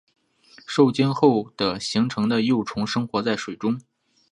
受精后的形成的幼虫生活在水中。